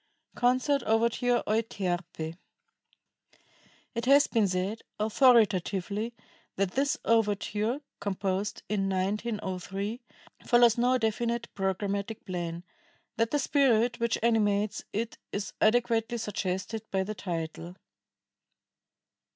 CONCERT OVERTURE, "EUTERPE" It has been said authoritatively that this overture (composed in 1903) follows no definite programmatic plan; that the spirit which animates it is adequately suggested by the title.